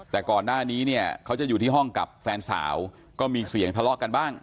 แต่ก่อนหน้านี้เนี่ยเขาจะอยู่ที่ห้องกับแฟนสาวก็มีเสียงทะเลาะกันบ้าง